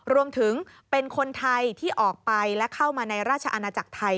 รวมถึงเป็นคนไทยที่ออกไปและเข้ามาในราชอาณาจักรไทย